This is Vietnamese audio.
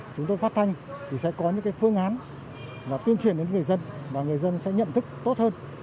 chúng tôi phát thanh thì sẽ có những phương án tuyên truyền đến người dân và người dân sẽ nhận thức tốt hơn